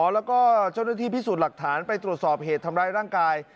แล้วก็เจ้าหน้าที่พิสูจน์หลักฐานไปตรวจสอบเหตุทำร้ายร่างกาย